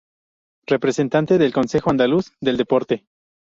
Representante del Consejo Andaluz del Deporte.